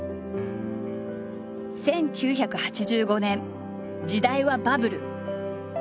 １９８５年時代はバブル。